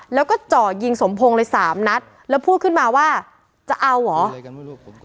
แล้วก็เจาะยิงสมพงค์เลยสามนัดแล้วพูดขึ้นมาว่าจะเอาเหรอ